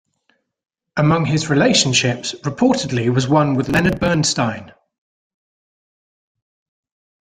Among his relationships reportedly was one with Leonard Bernstein.